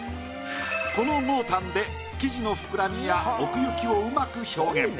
この濃淡で生地の膨らみや奥行きをうまく表現。